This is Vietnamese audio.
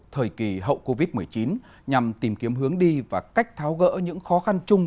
thời kỳ hậu covid một mươi chín nhằm tìm kiếm hướng đi và cách tháo gỡ những khó khăn chung